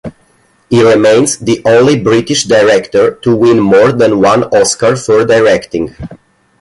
He remains the only British director to win more than one Oscar for directing.